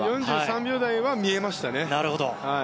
４３秒台は見えましたね。